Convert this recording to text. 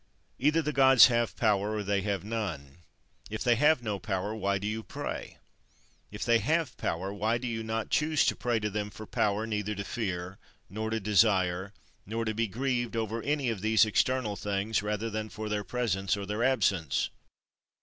40. Either the Gods have power or they have none. If they have no power, why do you pray? If they have power, why do you not choose to pray to them for power neither to fear, nor to desire, nor to be grieved over any of these external things, rather than for their presence or their absence?